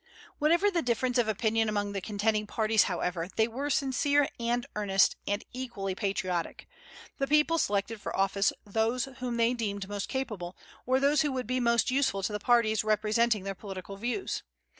Whatever the difference of opinion among the contending parties, however, they were sincere and earnest, and equally patriotic. The people selected for office those whom they deemed most capable, or those who would be most useful to the parties representing their political views.